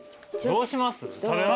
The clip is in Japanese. どうします？